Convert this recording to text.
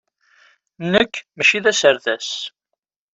Nekk mačči d aserdas.